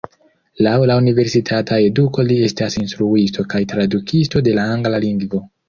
Laŭ la universitata eduko li estas instruisto kaj tradukisto de la angla lingvo.